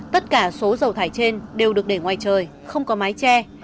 tất cả số dầu thải trên đều được để ngoài trời không có mái tre